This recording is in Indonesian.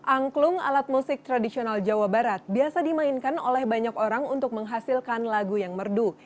angklung alat musik tradisional jawa barat biasa dimainkan oleh banyak orang untuk menghasilkan lagu yang merdu